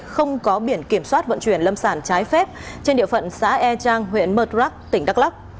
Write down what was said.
không có biển kiểm soát vận chuyển lâm sản trái phép trên địa phận xã e trang huyện mật rắc tỉnh đắk lắc